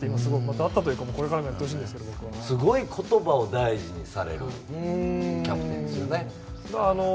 だったというかすごい言葉を大事にされるキャプテンですよね。